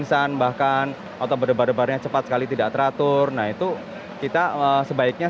sepertinya sekarang bertambah ya